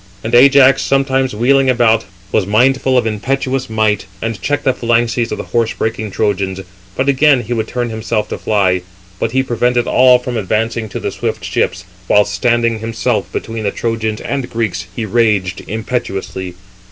And Ajax, sometimes wheeling about, was mindful of impetuous might, and checked the phalanxes of the horse breaking Trojans, but again he would turn himself to fly. But he prevented all from advancing to the swift ships, whilst standing himself between the Trojans and Greeks he raged impetuously.